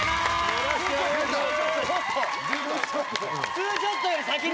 ツーショットより先に！